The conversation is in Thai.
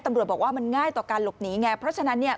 ตำรวจบอกว่ามันง่ายต่อการหลบหนีไงเพราะฉะนั้นเนี่ย